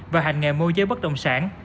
và hành nghề mô giới bất đồng sản